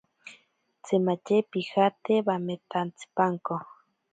Tsimatye pijate bametantsipanko.